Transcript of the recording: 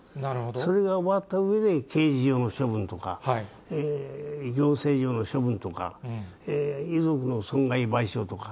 それが終わったうえで、刑事上の処分とか、行政上の処分とか、遺族の損害賠償とか、